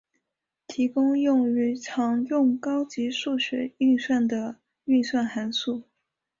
提供用于常用高级数学运算的运算函数。